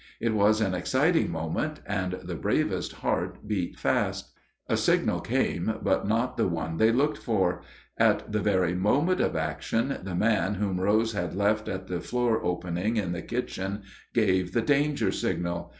It was an exciting moment, and the bravest heart beat fast. A signal came, but not the one they looked for. At the very moment of action, the man whom Rose had left at the floor opening in the kitchen gave the danger signal!